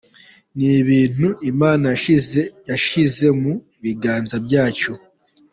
Ni ibintu Imana yashyize mu biganza byacu.